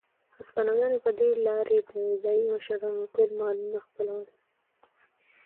هسپانویانو په دې لارې د ځايي مشرانو ټول مالونه خپلول.